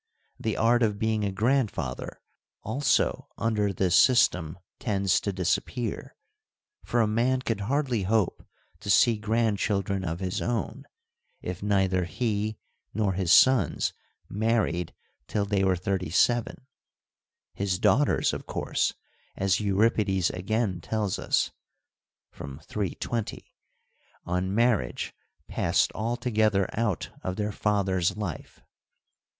The art of being a grandfather also under this system tends to disappear, for a man could hardly hope to see grandchildren of his own, if neither he nor his sons married till they were thirty seven : his daughters, of course, as Euripides again tells us (f r. 320) , on marriage passed altogether out of their father's life.